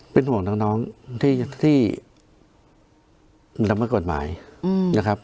เป็นห่วงน้องที่ละเมิดกฎหมายนะครับ